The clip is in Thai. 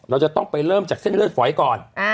เราจะต้องไปเริ่มจากเส้นเลือดฝอยก่อน